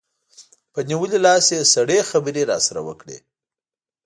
په نیولي لاس یې سړې خبرې راسره وکړې.